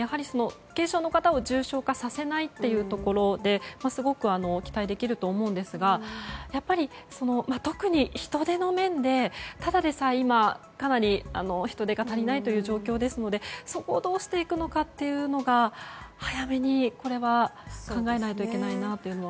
軽症の方を重症化させないというところですごく期待できると思うんですがやっぱり、特に人手の面でただでさえ、今かなり人手が足りない状況ですのでそこをどうしていくのかというのが早めに、これは考えないといけないなと思いますよね。